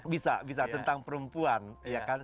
bisa bisa tentang perempuan ya kan